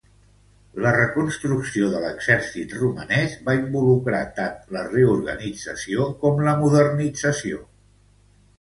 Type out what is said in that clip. La reconstrucció de l'exèrcit romanès va involucrar tant la reorganització com la modernització.